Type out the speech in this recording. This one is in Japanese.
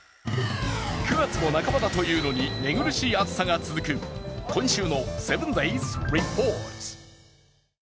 ９月も半ばだというのに寝苦しい暑さが続く、今週の「７ｄａｙｓリポート」。